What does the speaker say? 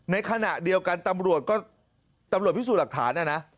ในขณะเดียวกันตำรวจพิสูจน์หลักฐานนั่นนะ